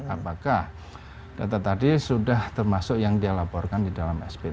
apakah data tadi sudah termasuk yang dia laporkan di dalam spt